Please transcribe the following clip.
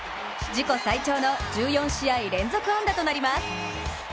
自己最長の１４試合連続安打となります。